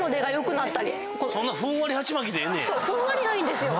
ふんわりがいいんですよ。